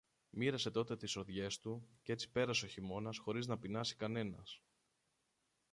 Μοίρασε τότε τις σοδειές του, κι έτσι πέρασε ο χειμώνας χωρίς να πεινάσει κανένας.